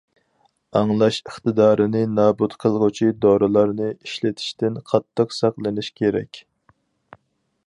ئاڭلاش ئىقتىدارىنى نابۇت قىلغۇچى دورىلارنى ئىشلىتىشتىن قاتتىق ساقلىنىش كېرەك.